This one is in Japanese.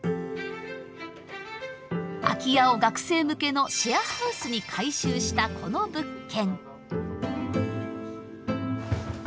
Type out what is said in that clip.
空き家を学生向けのシェアハウスに改修したこの物件。